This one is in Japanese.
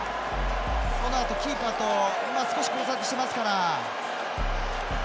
そのあとキーパーと少し交錯してますから。